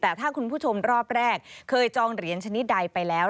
แต่ถ้าคุณผู้ชมรอบแรกเคยจองเหรียญชนิดใดไปแล้ว